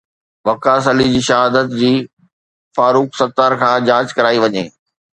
وقاص علي جي شهادت جي فاروق ستار کان جاچ ڪرائي وڃي